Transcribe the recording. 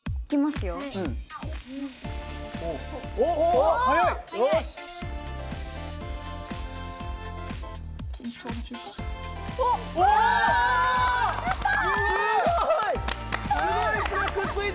すごい。